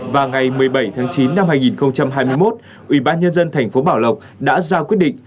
và ngày một mươi bảy tháng chín năm hai nghìn hai mươi một ủy ban nhân dân thành phố bảo lộc đã ra quyết định